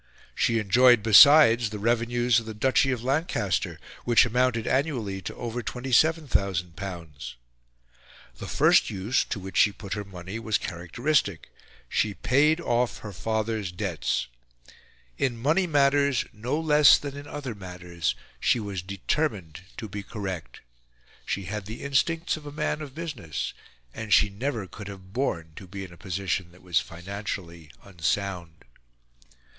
She enjoyed besides the revenues of the Duchy of Lancaster, which amounted annually to over L27,000. The first use to which she put her money was characteristic: she paid off her father's debts. In money matters, no less than in other matters, she was determined to be correct. She had the instincts of a man of business; and she never could have borne to be in a position that was financially unsound.